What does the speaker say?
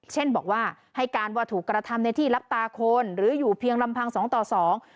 เช่นบอกว่าให้การว่าถูกกระทำในที่รับตาคนหรืออยู่เพียงลำพังสองต่อสอง